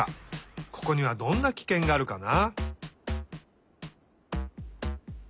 ここにはどんなキケンがあるかな？